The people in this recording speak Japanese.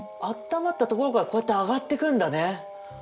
あったまった所からこうやって上がってくるんだね。